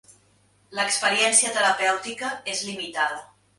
L’experiència terapèutica és limitada.